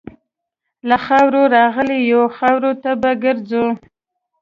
له خاورې راغلي یو، خاورې ته به ګرځو.